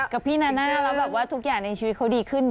กับพี่นนะน่านะคะแบบว่าทุกอย่างในชีวิตดีขึ้น